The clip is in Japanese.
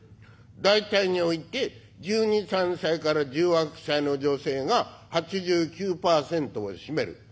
『大体において１２１３歳から１８１９歳の女性が８９％を占める。